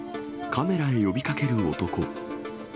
カメラに呼びかける男。